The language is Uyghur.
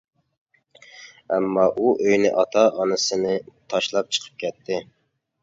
ئەمما ئۇ ئۆيىنى، ئاتا-ئانىسىنى تاشلاپ چىقىپ كەتتى.